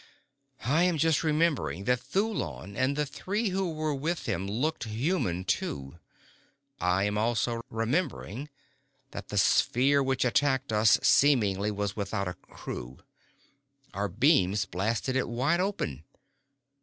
"I am just remembering that Thulon and the three who were with him looked human too! I am also remembering that the sphere which attacked us seemingly was without a crew. Our beams blasted it wide open.